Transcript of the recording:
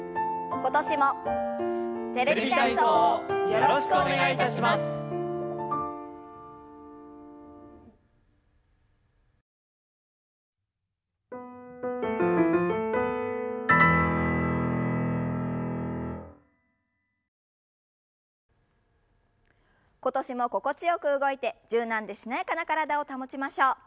今年も心地よく動いて柔軟でしなやかな体を保ちましょう。